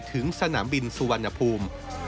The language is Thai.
ถึงสนามบินสุวรรณภูมิ